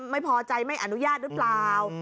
ไม่พอใจไม่อนุญาตหรือเปล่า